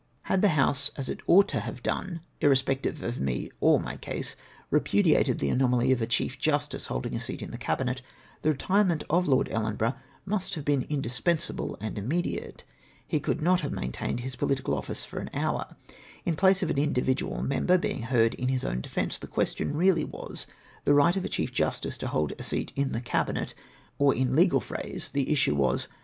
Had the House, as it ought to have done, irrespective of me or my case, repudiated the anomaly of a Chief Justice Injlding a seat in the Cabinet, the retirement of Lord Ellenborough must have been indis pensable and immediate. He could not have main tamed his political office for an hoiu". In place of an individual member being heard in his own defence, the question really was the right of a Chief Justice to hold a seat in the Cabinet, or in legal phrase, the issue was.